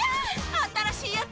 新しいやつ！